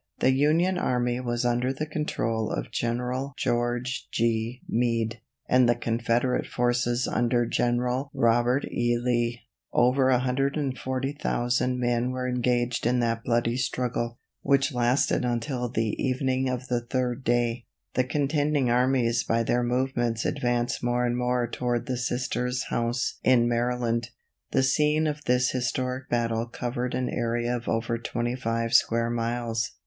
The Union army was under the control of General George G. Meade, and the Confederate forces under General Robert E. Lee. Over 140,000 men were engaged in that bloody struggle, which lasted until the evening of the third day. The contending armies by their movements advanced more and more toward the Sisters' house in Maryland. The scene of this historic battle covered an area of over twenty five square miles.